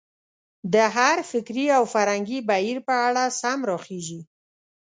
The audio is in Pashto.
د هر فکري او فرهنګي بهیر په اړه سم راخېژي.